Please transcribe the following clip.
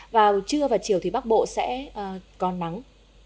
vào trưa và chiều thì bắc bộ sẽ có nắng